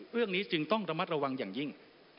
เรื่องนี้จึงต้องระมัดระวังอย่างยิ่ง